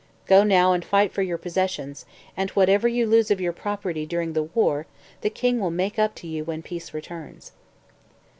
Go now and fight for your possessions, and, whatever you lose of your property during the war, the King will make up to you when peace returns.'